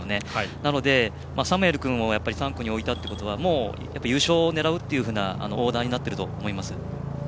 なので、サムエル君を３区に置いたということはもう、優勝を狙うというオーダーになっていると思います。